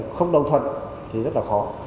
không đồng thuận thì rất là khó